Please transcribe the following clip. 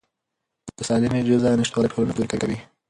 د سالمې غذا نشتوالی ټولنه کمزوري کوي.